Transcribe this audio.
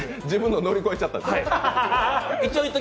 自分のを乗り越えちゃったんだ。